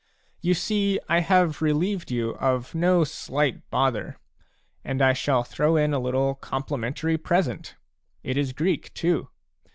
You see, I have relieved you of no slight bother ; and I shall throw in a little complementary present, — it is Greek, too.